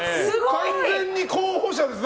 完全に候補者ですね。